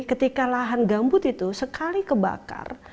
ketika lahan gambut itu sekali kebakar